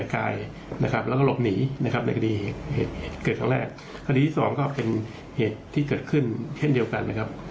คณีที่สองก็เป็นเหตุที่เกิดขึ้นเช่นเดียวกันอย่างนั้นครับ